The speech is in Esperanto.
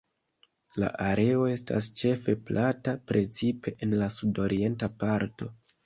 La areo estas ĉefe plata, precipe en la sudorienta parto.